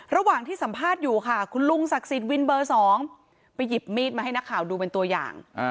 ระหว่างที่สัมภาษณ์อยู่ค่ะคุณลุงศักดิ์สิทธิ์วินเบอร์๒ไปหยิบมีดมาให้นักข่าวดูเป็นตัวอย่าง